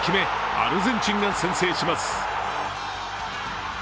アルゼンチンが先制します。